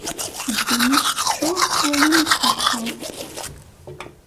Ddunit teččur s wayen i d-txelqeḍ!